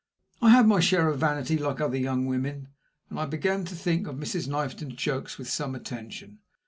I had my share of vanity, like other young women, and I began to think of Mrs. Knifton's jokes with some attention.